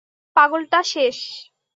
পাগল টা শেষ।